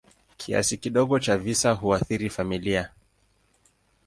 Kiasi kidogo cha visa huathiri familia.